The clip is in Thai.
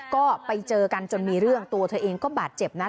ก็ไปเจอกันจนมีเรื่องตัวเธอเองก็บาดเจ็บนะ